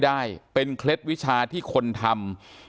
การแก้เคล็ดบางอย่างแค่นั้นเอง